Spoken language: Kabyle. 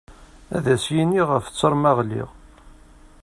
Ad as-yini ɣef ttaṛ ma ɣliɣ.